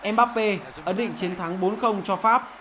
mbappé ấn định chiến thắng bốn cho pháp